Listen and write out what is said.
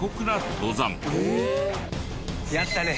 やったね。